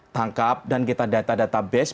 tangkap dan kita data data base